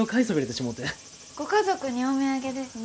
ご家族にお土産ですね。